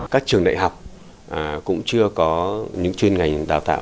các trường đại học cũng chưa có những chuyên ngành đào tạo